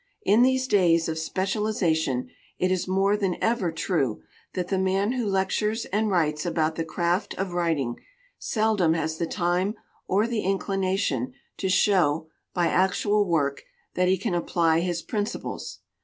In these days of specialization it is more than ever true that the man who lectures and writes about the craft of writing seldom has the time or the inclination to show, by actual work, that he can apply his principles.